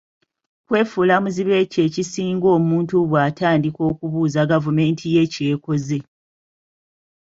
Kwefuula muzibe kyekisinga omuntu bwatandika okubuuza gavumenti ye ky'ekoze.